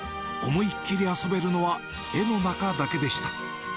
思いっ切り遊べるのは絵の中だけでした。